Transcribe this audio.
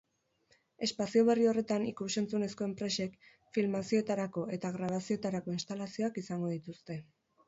Espazio berri horretan ikus-entzunezko enpresek filmazioetarako eta grabazioetarako instalazioak izango dituzte.